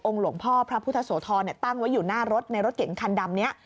หลวงพ่อพระพุทธโสธรตั้งไว้อยู่หน้ารถในรถเก๋งคันดำนี้